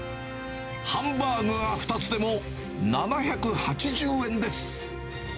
ハンバーグが２つでも７８０円です。